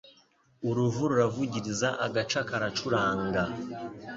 Uruvu ruravugiriza Agaca karacuranga